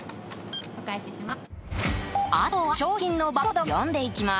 お返しします。